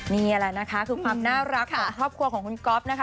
นี่แหละนะคะคือความน่ารักของครอบครัวของคุณก๊อฟนะคะ